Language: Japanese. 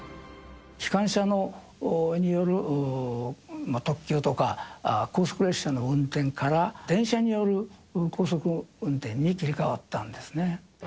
機関車による特急とか高速列車の運転から電車による高速運転に切り替わったんですね。